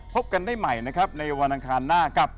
พบกันใหม่ในวันอังคารหน้ากับ